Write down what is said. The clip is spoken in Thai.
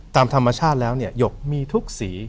ตามธรรมชาติแล้วเนี่ยหยกมีทุกสี